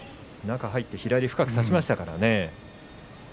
中入って深く差しましたからね。